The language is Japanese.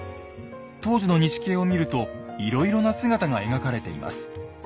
当時の錦絵を見るといろいろな姿が描かれています。